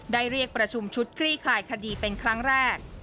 เรียกประชุมชุดคลี่คลายคดีเป็นครั้งแรก